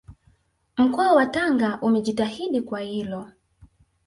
Mkoa wa Tanga umejitahidi kwa hilo